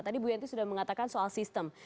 tadi bu yanti sudah mengatakan soal sistem